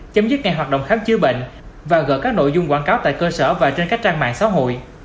chấm dứt ngày hoạt động khám chứa bệnh và gợi các nội dung quảng cáo tại cơ sở và trên các trang mạng xã hội